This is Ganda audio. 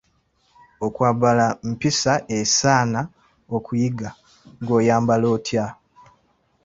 Okwambala mpisa esaana okuyiga: ggwe oyambala otya?